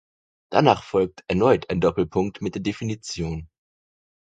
Danach folgt erneut ein Doppelpunkt mit der Definition.